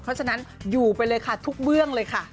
เพราะฉะนั้นอยู่ไปเลยค่ะทุกเบื้องเลยค่ะ